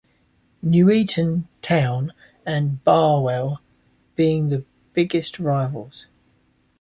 Nuneaton Town and Barwell being the biggest rivals.